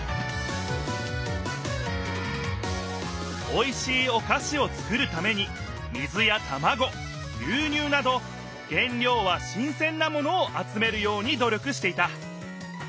おいしいおかしをつくるために水やたまご牛乳など原料は新せんなものを集めるように努力していた。